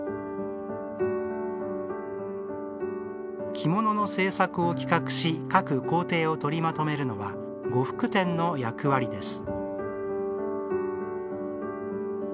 着物の製作を企画し各工程を取りまとめるのは呉服店の役割です。